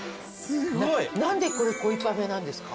何でこれ恋パフェなんですか？